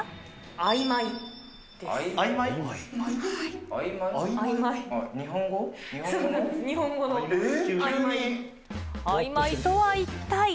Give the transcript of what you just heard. あいまいとは一体？